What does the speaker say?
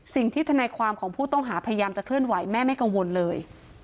ทนายความของผู้ต้องหาพยายามจะเคลื่อนไหวแม่ไม่กังวลเลย